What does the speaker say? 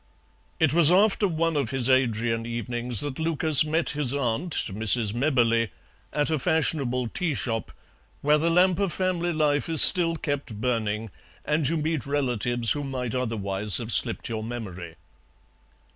It was after one of his Adrian evenings that Lucas met his aunt, Mrs. Mebberley, at a fashionable tea shop, where the lamp of family life is still kept burning and you meet relatives who might otherwise have slipped your memory.